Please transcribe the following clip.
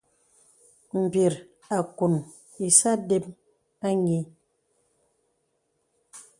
Mbir àkuŋ ìsə adəm anyì.